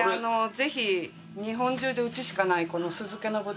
ぜひ日本中でうちしかない酢漬けのぶどう。